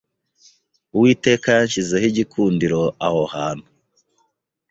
Uwiteka yanshyizeho igikundiro aho hantu,